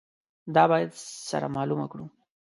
دا باید سره معلومه کړو.